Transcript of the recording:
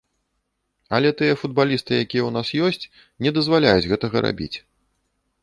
Але тыя футбалісты, якія ў нас ёсць, не дазваляюць гэтага рабіць.